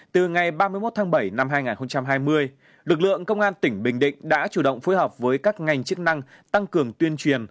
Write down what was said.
từ ngày ba mươi một tháng bảy năm hai nghìn hai mươi lực lượng công an tỉnh bình định đã chủ động phối hợp với các ngành chức năng tăng cường tuyên truyền